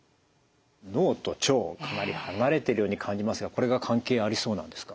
脳と腸かなり離れてるように感じますがこれが関係ありそうなんですか？